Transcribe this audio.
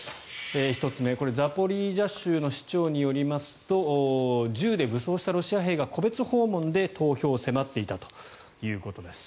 １つ目、これはザポリージャ州の市長によりますと銃で武装したロシア兵が戸別訪問で投票を迫っていたということです。